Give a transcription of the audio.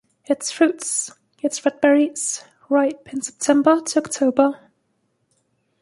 Its fruits, its red berries, ripe in September-October.